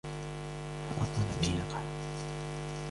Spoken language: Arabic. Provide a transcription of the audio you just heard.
فَأَثَرْنَ بِهِ نَقْعًا